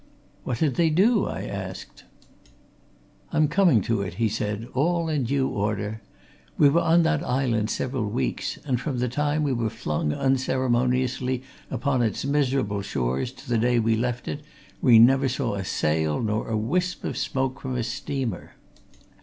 "What did they do?" I asked. "I'm coming to it," he said. "All in due order. We were on that island several weeks, and from the time we were flung unceremoniously upon its miserable shores to the day we left it we never saw a sail nor a wisp of smoke from a steamer.